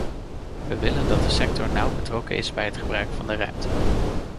We willen dat de sector nauw betrokken is bij het gebruik van de ruimte.